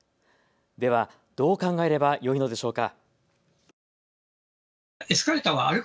ではどう考えればよいのでしょうか。